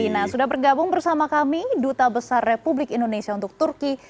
nah sudah bergabung bersama kami duta besar republik indonesia untuk turki